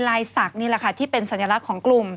นิสักที่เป็นสัญลักษณ์ของกลุ่ม